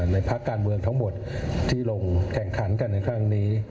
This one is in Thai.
ภาคการเมืองทั้งหมดที่ลงแข่งขันกันในครั้งนี้